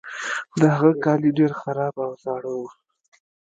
د هغه کالي ډیر خراب او زاړه وو.